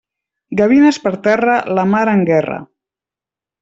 Gavines per terra, la mar en guerra.